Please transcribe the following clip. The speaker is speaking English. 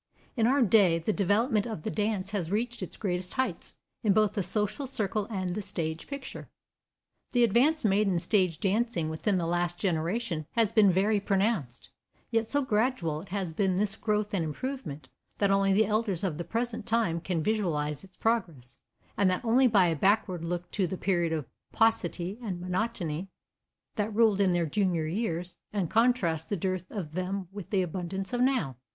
In our day the development of the dance has reached its greatest heights, in both the social circle and the stage picture.22 The advance made in stage dancing within the last generation has been very pronounced, yet so gradual has been this growth and improvement, that only the elders of the present time can visualize its progress, and that only by a backward look to the period of paucity and monotony that ruled in their junior years, and contrast the dearth of then with the abundance of now.